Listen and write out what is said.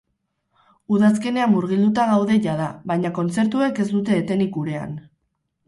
Udazkenean murgilduta gaude jada, baina kontzertuek ez dute etenik gurean.